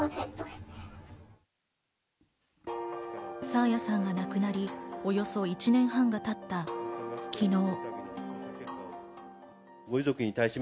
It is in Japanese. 爽彩さんが亡くなり、およそ１年半がたった昨日。